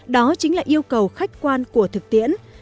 đó chính là yêu cầu khách quan của thực tiễn